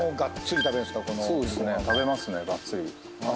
食べますねがっつり。